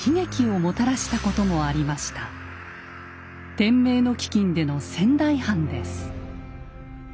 天明の飢饉での仙台藩です。